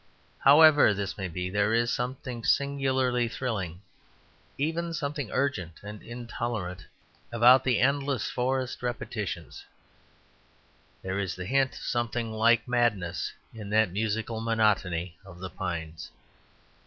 However this may be, there is something singularly thrilling, even something urgent and intolerant, about the endless forest repetitions; there is the hint of something like madness in that musical monotony of the pines.